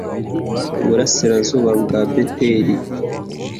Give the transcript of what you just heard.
iburasirazuba bwa beteli